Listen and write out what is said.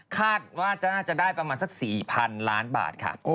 คาดว่าจะน่าจะได้ประมาณสัก๔๐๐๐ล้านบาทค่ะ